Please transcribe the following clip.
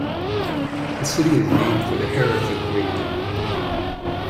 The city is named for the Hereford breed.